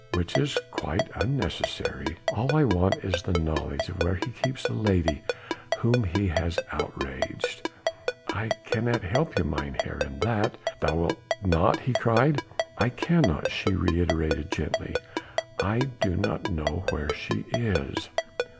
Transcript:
"Which is quite unnecessary. All I want is the knowledge of where he keeps the lady whom he has outraged." "I cannot help you, mynheer, in that." "Thou wilt not!" he cried. "I cannot," she reiterated gently. "I do not know where she is."